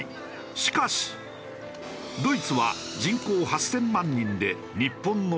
しかしドイツは人口８０００万人で日本のおよそ７割。